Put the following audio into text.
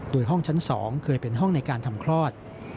โดยห้องชั้น๒เคยเป็นห้องในการทำคลอด